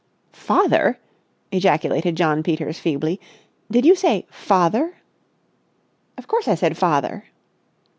"Father!" ejaculated Jno. Peters feebly. "Did you say 'father?'" "Of course I said 'father!